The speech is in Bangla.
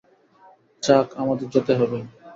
চাক, আমাদের যেতে হবে।